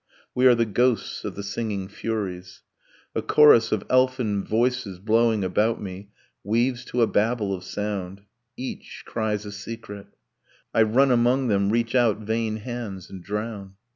We are the ghosts of the singing furies ...' A chorus of elfin voices blowing about me Weaves to a babel of sound. Each cries a secret. I run among them, reach out vain hands, and drown.